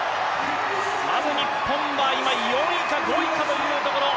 まず日本は４位か５位かというところ。